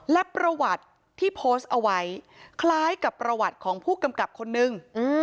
และประวัติที่โพสต์เอาไว้คล้ายกับประวัติของผู้กำกับคนนึง